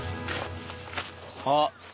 あっ。